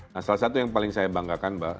nah salah satu yang paling saya banggakan mbak